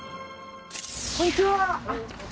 こんにちは。